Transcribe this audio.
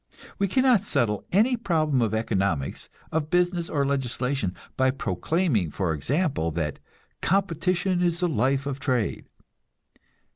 We cannot settle any problem of economics, of business or legislation, by proclaiming, for example, that "Competition is the life of trade."